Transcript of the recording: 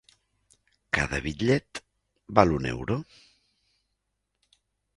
Cada bitllet val un euro.